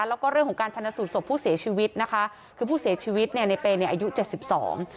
แล้วก็เรื่องของการชนะสูตรศพผู้เสียชีวิตนะคะคือผู้เสียชีวิตเนี่ยในเปย์เนี่ยอายุเจ็ดสิบสอง